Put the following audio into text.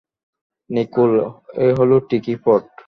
Nicole, এ হলো টিকি পট।